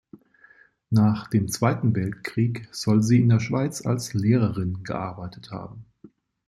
Nach dem Zweiten Weltkrieg soll sie in der Schweiz als Lehrerin gearbeitet haben.